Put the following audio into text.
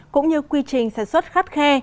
cũng như quy trình sản xuất khắt khe